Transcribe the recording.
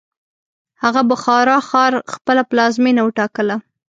هغه بخارا ښار خپله پلازمینه وټاکله.